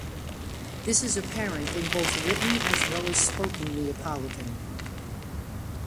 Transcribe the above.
This is apparent both in written as well as spoken Neapolitan.